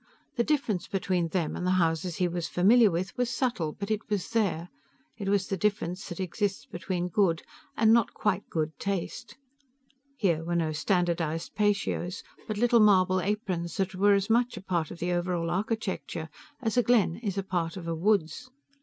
The difference between them and the houses he was familiar with was subtle, but it was there. It was the difference that exists between good and not quite good taste. Here were no standardized patios, but little marble aprons that were as much a part of the over all architecture as a glen is a part of a woods.